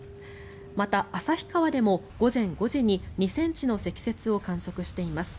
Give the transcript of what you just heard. また、旭川でも午前５時に２ｃｍの積雪を観測しています。